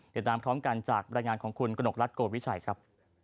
ติดตามพร้อมกันจากบรรยายงานของคุณกระหนกรัฐโกวิชัยครับ